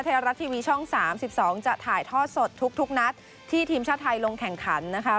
ไทยรัฐทีวีช่อง๓๒จะถ่ายทอดสดทุกนัดที่ทีมชาติไทยลงแข่งขันนะคะ